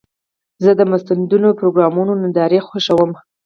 زه د مستندو پروګرامونو نندارې خوښوم.